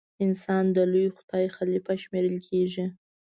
انسان د لوی خدای خلیفه شمېرل کیږي.